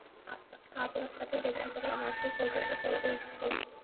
আপনার সাথে ব্যক্তিগত শলাপরামর্শ করতে ইচ্ছুক।